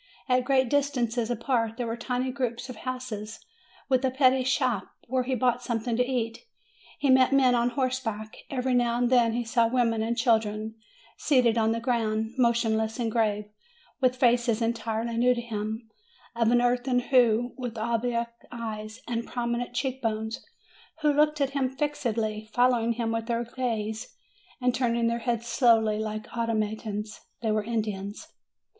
At great distances apart there were tiny groups of houses with a petty shop, where he bought something to eat. He met men on horse back ; every now and then he saw women and children seated on the ground, motionless and grave, with faces entirely new to him, of an earthen hue, with oblique eyes and prominent cheek bones, who looked at him fixedly, following him with their gaze, and turning their heads slowly like automatons. They were Indians.